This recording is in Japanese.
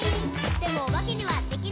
「でもおばけにはできない。」